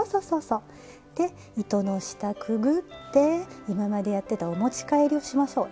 で糸の下くぐって今までやってたお持ち帰りをしましょう。